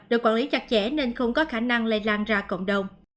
được quản lý chặt chẽ nên không có khả năng lây lan ra cộng đồng